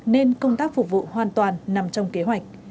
nên công tác phục vụ hoàn toàn nằm trong kế hoạch